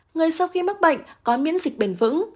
người sau khi mắc bệnh có miễn dịch bền vững